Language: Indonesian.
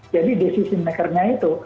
jadi decision makernya itu